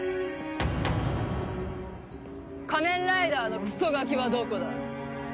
仮面ライダーのクソガキはどこだ？